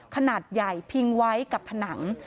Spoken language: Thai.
ขนาดใหญ่พิงไว้กับผนัง